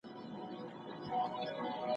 ياد مي ته که، موړ به مي خداى کي.